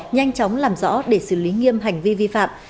nhanh chóng làm rõ để xử lý nghiêm hành vi vi phạm